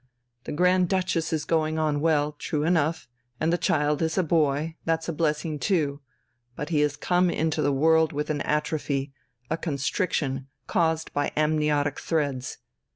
The Grand Duchess is going on well true enough, and the child is a boy that's a blessing too. But he has come into the world with an atrophy, a constriction, caused by amniotic threads.